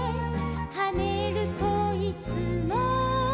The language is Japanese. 「はねるといつも」